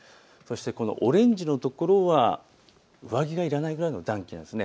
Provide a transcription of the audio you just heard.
このオレンジの所は上着がいらないくらいの暖気です。